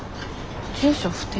住所不定？